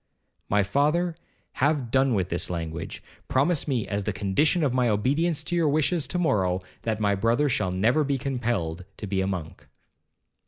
'My father, have done with this language. Promise me, as the condition of my obedience to your wishes to morrow, that my brother shall never be compelled to be a monk.'